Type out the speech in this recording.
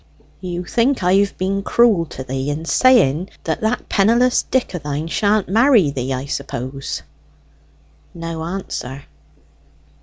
"You think I've been cruel to thee in saying that that penniless Dick o' thine sha'n't marry thee, I suppose?" No answer.